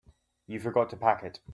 You forgot to pack it.